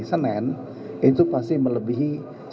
senin itu pasti melebihi